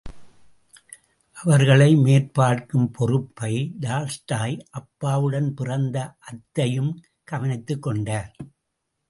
அவர்களை மேற்பார்க்கும் பொறுப்பை டால்ஸ்டாய் அப்பாவுடன் பிறந்த அத்தையும் கவனித்துக் கொண்டார்.